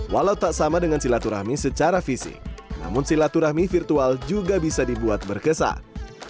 walau tak sama dengan silaturahmi secara fisik namun silaturahmi virtual juga bisa dibuat berkesan